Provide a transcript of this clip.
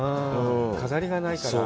飾りがないから。